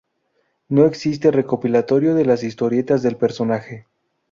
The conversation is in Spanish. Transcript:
No existe recopilatorio de las historietas del personaje.